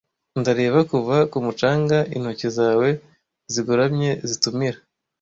Ndareba kuva ku mucanga intoki zawe zigoramye zitumira,